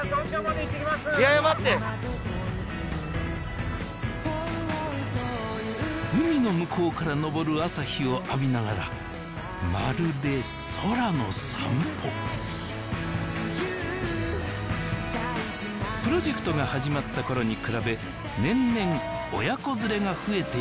いやいや待って海の向こうから昇る朝日を浴びながらまるで空の散歩プロジェクトが始まった頃に比べ年々親子連れが増えているといいます